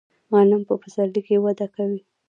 غنم په پسرلي کې وده کوي.